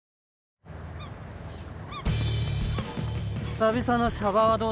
久々のシャバはどうだ？